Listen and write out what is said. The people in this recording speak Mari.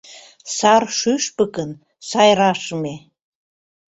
Сар шÿшпыкын сайрашыме